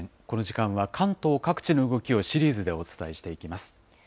この時間は、関東各地の動きをシリーズでお伝えしていきます。